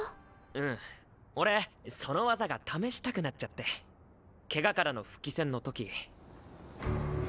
うん俺その技が試したくなっちゃってケガからの復帰戦の時。